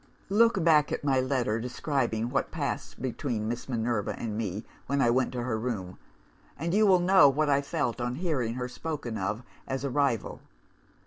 "Look back at my letter, describing what passed between Miss Minerva and me, when I went to her room; and you will know what I felt on hearing her spoken of as 'a rival.